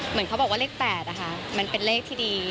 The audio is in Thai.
เหมือนเขาบอกว่าเลข๘นะคะมันเป็นเลขที่ดี